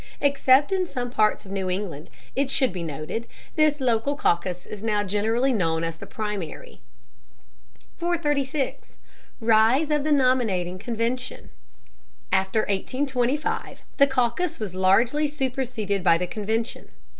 Except in some parts of New England, it should be noted, this local caucus is now generally known as the primary. 436. RISE OF THE NOMINATING CONVENTION. After 1825 the caucus was largely superseded by the convention.